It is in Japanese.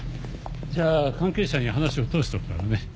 じゃあ関係者に話を通しておくからね。